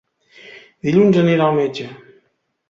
Dilluns anirà al metge.